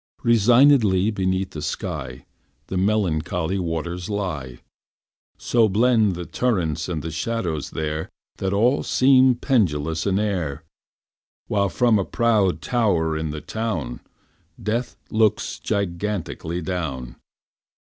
Resignedly beneath the sky The melancholy waters lie. So blend the turrets and shadows there That all seem pendulous in air, While from a proud tower in the town Death looks gigantically down.